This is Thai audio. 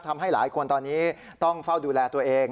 ทำให้หลายคนตอนนี้ต้องเฝ้าดูแลตัวเอง